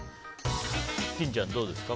金ちゃん、どうですか？